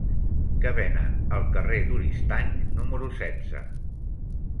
Què venen al carrer d'Oristany número setze?